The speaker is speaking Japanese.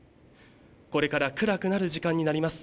これから暗くなる時間になります。